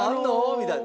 みたいな。